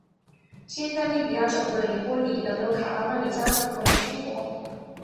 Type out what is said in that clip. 现在利比亚首都的黎波里仍有卡拉曼里家族后裔生活。